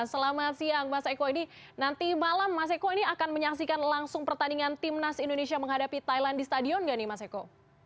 selamat siang mas eko ini nanti malam mas eko ini akan menyaksikan langsung pertandingan timnas indonesia menghadapi thailand di stadion gak nih mas eko